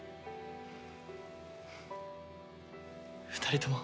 ２人とも。